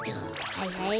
はいはい。